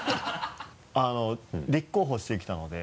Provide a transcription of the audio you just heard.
立候補してきたので。